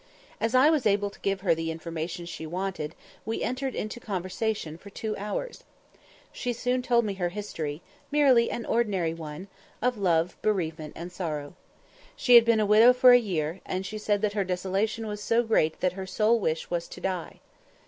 As I was able to give her the information she wanted, we entered into conversation for two hours. She soon told me her history, merely an ordinary one, of love, bereavement, and sorrow. She had been a widow for a year, and she said that her desolation was so great that her sole wish was to die.